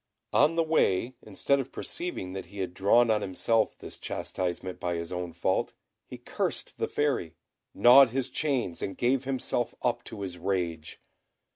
On the way, instead of perceiving that he had drawn on himself this chastisement by his own fault, he cursed the Fairy, gnawed his chains, and gave himself up to his rage.